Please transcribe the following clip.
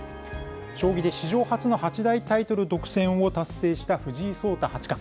将棋で史上初の八大タイトル独占を達成した藤井聡太八冠。